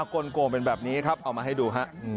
กลงเป็นแบบนี้ครับเอามาให้ดูฮะ